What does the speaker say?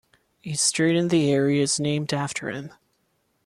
A street in the area is named after him.